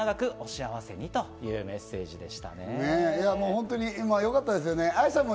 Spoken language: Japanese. ホントによかったですよね。